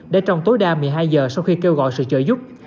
để trong tối đa một mươi hai giờ sau khi kêu gọi sự trợ giúp